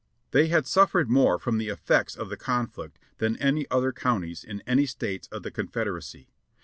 They had suf fered more from the effects of the conflict than any other counties in any States of the Confederacy.